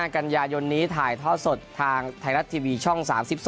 กันยายนนี้ถ่ายทอดสดทางไทยรัฐทีวีช่อง๓๒